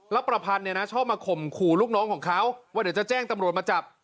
แล้วประพันธ์เนี่ยนะชอบมาข่มขู่ลูกน้องของเขาว่าเดี๋ยวจะแจ้งตำรวจมาจับ